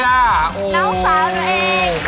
น้องสาวนั่นเอง